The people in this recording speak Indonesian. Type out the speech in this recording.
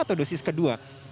atau dosis kedua